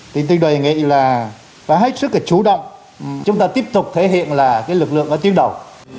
thì tôi đề nghị là phải hết sức là chủ động chúng ta tiếp tục thể hiện là cái lực lượng ở tuyến đầu